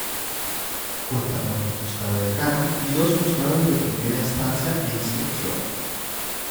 Cuenta con un Juzgado Decano y dos juzgados de Primera Instancia e Instrucción.